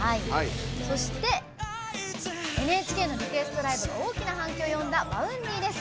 そしてＮＨＫのリクエストライブで大きな反響を呼んだＶａｕｎｄｙです。